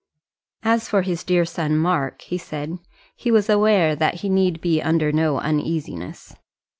As for his dear son Mark, he said, he was aware that he need be under no uneasiness.